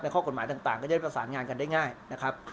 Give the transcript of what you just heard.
ข้อกฎหมายต่างก็จะประสานงานกันได้ง่ายนะครับ